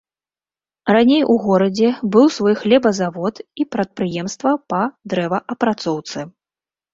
Раней у горадзе быў свой хлебазавод і прадпрыемства па дрэваапрацоўцы.